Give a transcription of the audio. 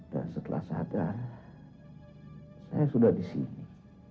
dan setelah sadar saya sudah di sini